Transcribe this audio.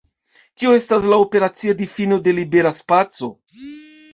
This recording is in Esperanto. Kio estas la operacia difino de libera spaco?